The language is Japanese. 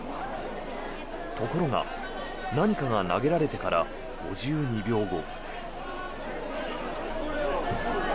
ところが何かが投げられてから５２秒後。